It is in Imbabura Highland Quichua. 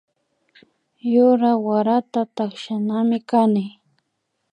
Yura warata takshanami kani